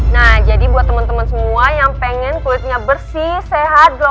nah jadi buat teman teman semua yang pengen kulitnya bersih sehat dok